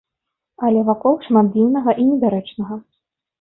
Але вакол шмат дзіўнага і недарэчнага.